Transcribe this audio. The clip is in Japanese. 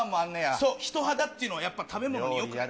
そう、人肌っていうのは食べ物によくない。